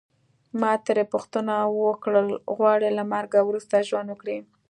ما ترې پوښتنه وکړل غواړې له مرګه وروسته ژوند وکړې.